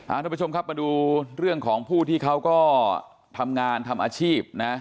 อาทเตอร์ประชงมาดูเรื่องของผู้ที่เขาก็ทำงานทำอาชีพ